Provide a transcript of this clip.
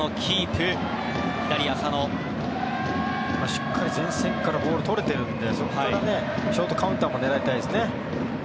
しっかり前線からボールとれてるのでそこからショートカウンターも狙いたいですね。